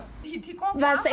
thì có khó khăn